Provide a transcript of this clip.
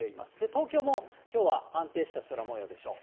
東京もきょうは安定した空もようでしょう。